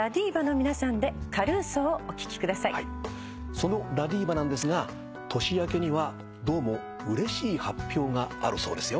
そのＬＡＤＩＶＡなんですが年明けにはどうもうれしい発表があるそうですよ。